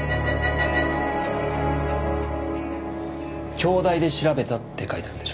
京大で調べたって書いてあるでしょ？